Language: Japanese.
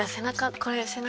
これ背中